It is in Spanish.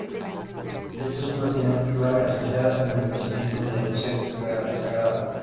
Ésta es una señal clave asociada con el nacimiento de un ser sagrado.